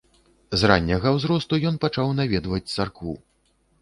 З ранняга ўзросту ён пачаў наведваць царкву.